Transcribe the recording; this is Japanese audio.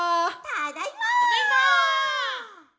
ただいま！